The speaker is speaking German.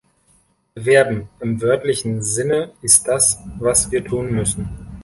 Werben im wörtlichen Sinne ist das, was wir tun müssen.